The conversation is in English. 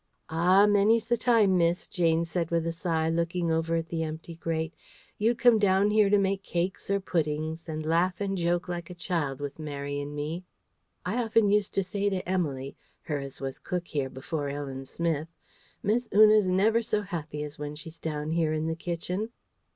"Ah! many's the time, miss," Jane said with a sigh, looking over at the empty grate, "you'd come down here to make cakes or puddings, and laugh and joke like a child with Mary an' me. I often used to say to Emily her as was cook here before Ellen Smith, 'Miss Una's never so happy as when she's down here in the kitchen.'